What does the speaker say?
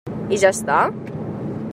I ja està?